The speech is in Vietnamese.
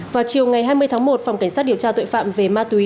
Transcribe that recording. vào chiều ngày hai mươi tháng một phòng cảnh sát điều tra tội phạm về ma túy